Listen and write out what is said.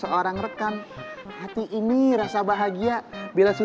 romantis sekali pasangan ini